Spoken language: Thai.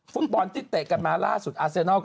ฟุตบอลกันและอย่างล่าสุด